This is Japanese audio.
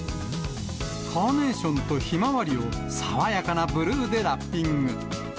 カーネーションとひまわりを、爽やかなブルーでラッピング。